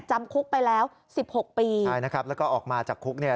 จำคุกไปแล้วสิบหกปีใช่นะครับแล้วก็ออกมาจากคุกเนี่ย